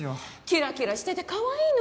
キラキラしててかわいいのに。